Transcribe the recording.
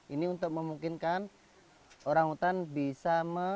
ini untuk memungkinkan orang hutan bisa melepas liaran